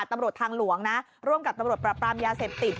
ตำรวจทางหลวงนะร่วมกับตำรวจปรับปรามยาเสพติด